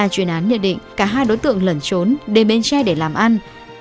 chuyên án nhận định cả hai đối tượng lẩn trốn đến bến tre để làm ăn